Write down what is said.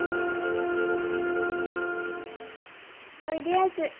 おいでやす。